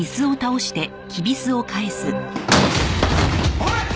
おい！